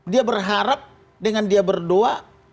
dia berharap dengan dia berdoa